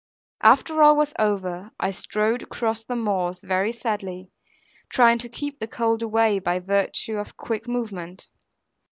After all was over, I strode across the moors very sadly; trying to keep the cold away by virtue of quick movement.